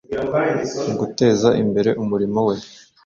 Mu guteza imbere umurimo we,